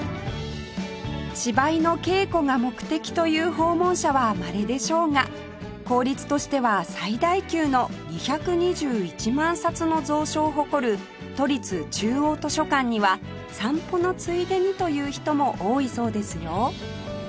芝居の稽古が目的という訪問者はまれでしょうが公立としては最大級の２２１万冊の蔵書を誇る都立中央図書館には散歩のついでにという人も多いそうですよ